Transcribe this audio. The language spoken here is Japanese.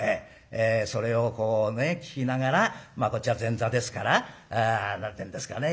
それをこうね聞きながらこっちは前座ですから何てんですかね